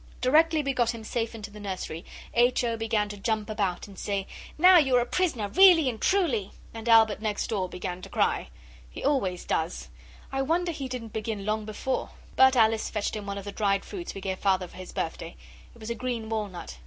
Directly we got him safe into the nursery, H. O. began to jump about and say, 'Now you're a prisoner really and truly!' And Albert next door began to cry. He always does. I wonder he didn't begin long before but Alice fetched him one of the dried fruits we gave Father for his birthday. It was a green walnut.